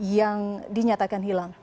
yang dinyatakan hilang